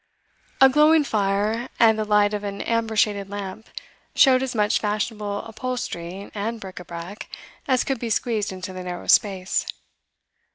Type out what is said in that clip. A glowing fire and the light of an amber shaded lamp showed as much fashionable upholstery and bric a brac as could be squeezed into the narrow space.